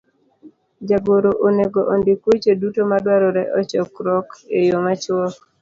Jagoro onego ondik weche duto madwarore e chokruok e yo machuok,